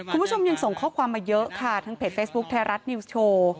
คุณผู้ชมยังส่งข้อความมาเยอะค่ะทางเพจเฟซบุ๊คไทยรัฐนิวส์โชว์